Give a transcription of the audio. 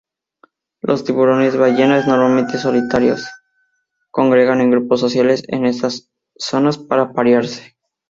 Los tiburones ballena, normalmente solitarios, congregan en grupos sociales en estas zonas para aparearse.